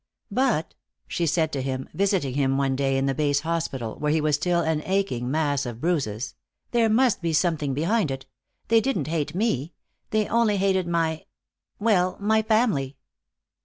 "But," she said to him, visiting him one day in the base hospital, where he was still an aching, mass of bruises, "there must be something behind it. They didn't hate me. They only hated my well, my family."